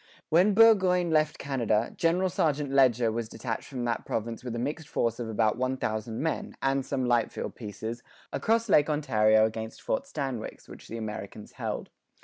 When Burgoyne left Canada, General St. Leger was detached from that province with a mixed force of about one thousand men, and some light field pieces, across Lake Ontario against Fort Stanwix, which the Americans held.